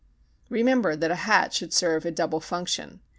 Remember that a hat should serve a double function.